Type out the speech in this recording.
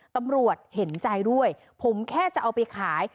ตำรวจเห็นใจด้วยผมแค่จะเอาไปขาย